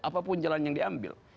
apapun jalan yang diambil